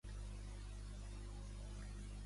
Thomas W. Badger i reanomenat "Estrella del Sur".